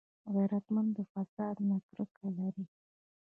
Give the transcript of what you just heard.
غیرتمند د فساد نه کرکه لري